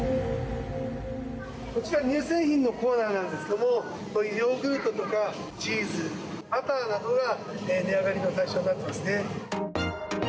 こちら乳製品のコーナーなんですがヨーグルトとかチーズ、バターなどが値上がりの対象になってますね。